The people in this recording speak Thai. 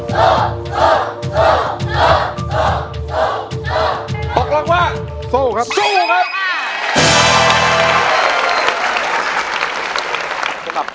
สู้ต่อกล่องว่าสู้ครับสู้ครับ